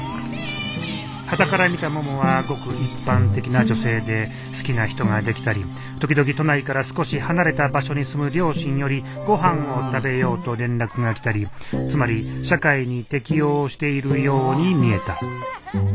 端から見たももはごく一般的な女性で好きな人ができたり時々都内から少し離れた場所に住む両親よりごはんを食べようと連絡が来たりつまり社会に適応しているように見えた。